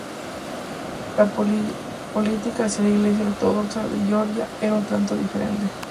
La política hacia la Iglesia Ortodoxa de Georgia era un tanto diferente.